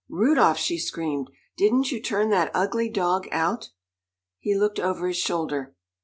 "Rudolph," she screamed, "didn't you turn that ugly dog out?" He looked over his shoulder.